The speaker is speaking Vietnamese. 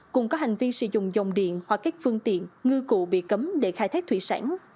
cùng có hành vi sử dụng dòng điện hoặc các phương tiện ngư cụ bị cấm để khai thác thủy sản